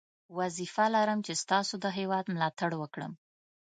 وظیفه لرم چې ستاسو د هیواد ملاتړ وکړم.